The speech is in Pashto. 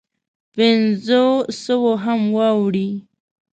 پنځو سوو هم واوړي.